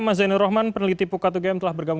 mas zainul rahman peneliti pukatu game telah bergabung